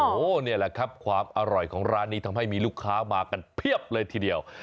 โอ้โหนี่แหละครับความอร่อยของร้านนี้ทำให้มีลูกค้ามากันเพียบเลยทีเดียว